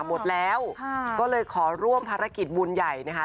หมดแล้วก็เลยขอร่วมภารกิจบุญใหญ่นะคะ